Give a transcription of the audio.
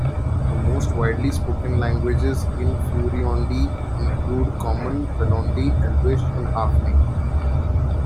The most widely spoken languages in Furyondy include Common, Velondi, Elvish, and Halfling.